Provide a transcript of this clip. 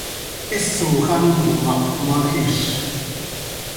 Hisoj án com ah hmajíz.